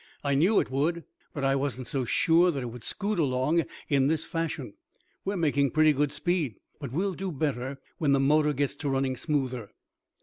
"I knew it would, but I wasn't so sure that it would scoot along in this fashion. We're making pretty good speed, but we'll do better when the motor gets to running smoother."